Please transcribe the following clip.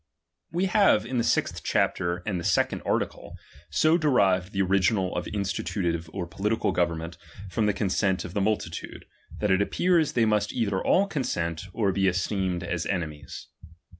We have, in the sixth chapter and the second chap. xi. article, so derived the original of institutive or ^.,^^'^ political goverament from the consent of the nml i|"'ff"f'""'"" titade, that it appears they must either all consent, fromiL«<^on«iit or be esteemed as enemies.